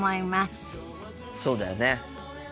そうだよね。